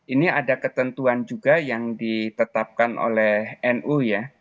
ini ada ketentuan juga yang ditetapkan oleh nu ya